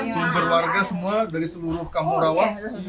sumber warga semua dari seluruh kampung rawa